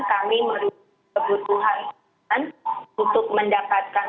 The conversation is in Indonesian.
kami merubah kebutuhan untuk mendapatkan